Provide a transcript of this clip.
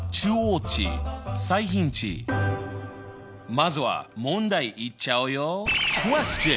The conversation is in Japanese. まずは問題いっちゃうよ。